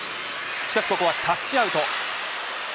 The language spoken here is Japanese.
しかしここはタッチアウト。